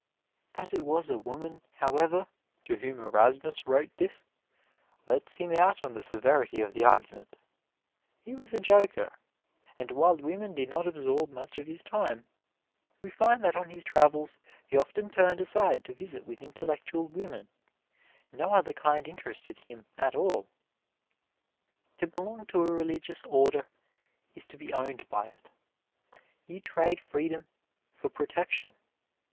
That it was a woman, however, to whom Erasmus wrote this, lets him out on the severity of the argument. He was a joker. And while women did not absorb much of his time, we find that on his travels he often turned aside to visit with intellectual women no other kind interested him, at all. To belong to a religious order is to be owned by it. You trade freedom for protection.